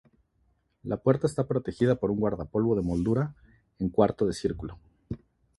La puerta está protegida por un guardapolvo de moldura en cuarto de círculo.